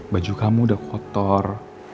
baju kamu udah kotor